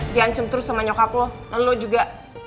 diancum terus sama nyokap lo dan lo juga